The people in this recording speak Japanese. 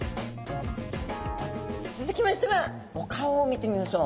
つづきましてはお顔を見てみましょう。